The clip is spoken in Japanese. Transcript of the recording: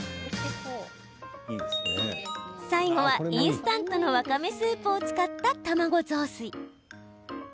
最後はインスタントのわかめスープを使った卵雑炊。